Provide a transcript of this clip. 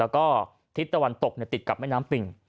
แล้วก็ทิศตะวันตกติดกับแม่น้ำปิ่ง